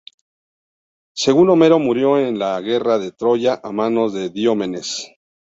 Según Homero, murió en la guerra de Troya a manos de Diomedes.